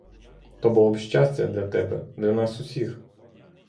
То було б щастя для тебе, для нас усіх.